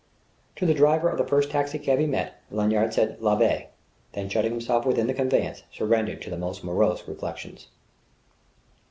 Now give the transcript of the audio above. To the driver of the first taxicab he met, Lanyard said "L'Abbaye," then shutting himself within the conveyance, surrendered to the most morose reflections.